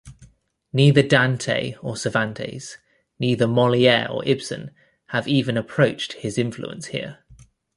Neither Dante or Cervantes, neither Moliere or Ibsen have even approached his influence here.